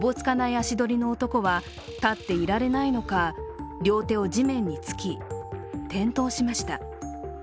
足取りの男は、立っていられないのか両手を地面につき、転倒しました。